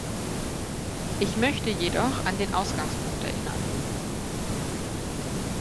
Ich möchte jedoch an den Ausgangspunkt erinnern.